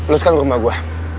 lu sekalian ke rumah gua